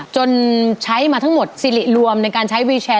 จนใช้มาทั้งหมดสิริรวมในการใช้วิวแชร์